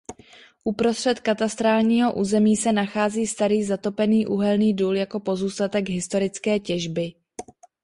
Uprostřed katastrálního území se nachází starý zatopený uhelný důl jako pozůstatek historické těžby.